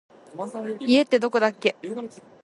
家ってどこだっけ